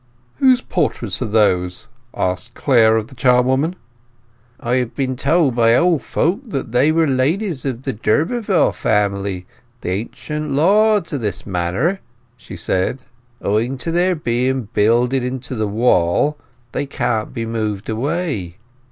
"Whose portraits are those?" asked Clare of the charwoman. "I have been told by old folk that they were ladies of the d'Urberville family, the ancient lords of this manor," she said, "Owing to their being builded into the wall they can't be moved away."